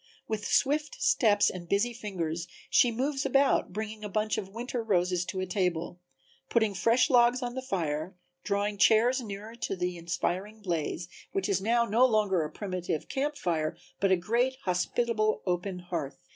With swift steps and busy fingers she moves about, bringing a bunch of winter roses to a table, putting fresh logs on the fire, drawing chairs nearer to the inspiring blaze, which is now no longer a primitive camp fire but a great, hospitable open hearth.